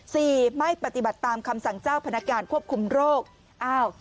ไม่ปฏิบัติตามคำสั่งเจ้าพนักการควบคุมโรคอ้าว